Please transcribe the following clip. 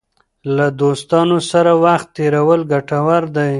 له دوستانو سره وخت تېرول ګټور دی.